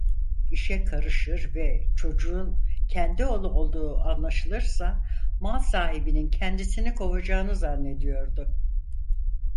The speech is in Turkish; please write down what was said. İşe karışır ve çocuğun kendi oğlu olduğu anlaşılırsa mal sahibinin kendisini kovacağını zannediyordu.